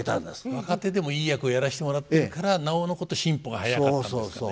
若手でもいい役をやらせてもらったからなおのこと進歩が早かったんですかね。